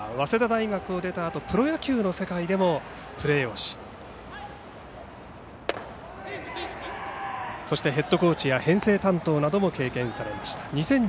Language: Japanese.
早稲田大学を出たあとプロ野球の世界でもプレーをしそしてヘッドコーチや編成担当なども経験されました。